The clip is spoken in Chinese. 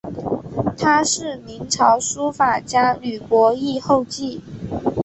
她是明朝书法家吕伯懿后裔。